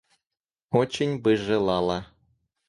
Очень бы желала!